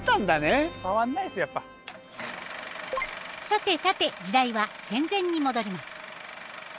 さてさて時代は戦前に戻ります。